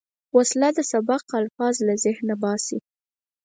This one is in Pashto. وسله د سبق الفاظ له ذهنه باسي